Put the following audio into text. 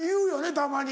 たまに。